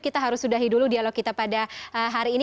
kita harus sudahi dulu dialog kita pada hari ini